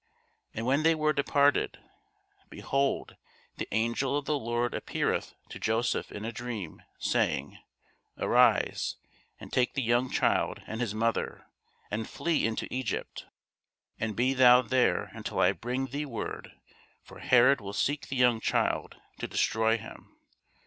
And when they were departed, behold, the angel of the Lord appeareth to Joseph in a dream, saying, Arise, and take the young child and his mother, and flee into Egypt, and be thou there until I bring thee word: for Herod will seek the young child to destroy him.